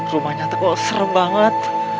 rumahnya tuh serem banget